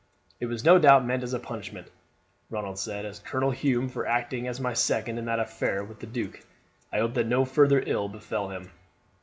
"It was no doubt meant as a punishment," Ronald said, "on Colonel Hume for acting as my second in that affair with the duke. I hope that no further ill befell him."